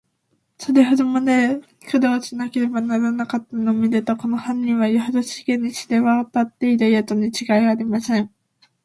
それほどまでの苦労をしなければならなかったのをみると、この犯人は、よほど世間に知れわたっているやつにちがいありません。